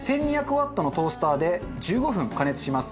ワットのトースターで１５分加熱します。